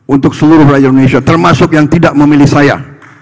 untuk seluruh rakyat indonesia termasuk yang tidak memilih saya